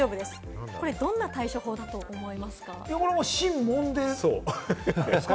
どんな対処法だと思いますか？